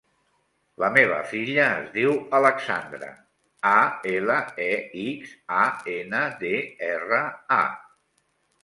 La meva filla es diu Alexandra: a, ela, e, ics, a, ena, de, erra, a.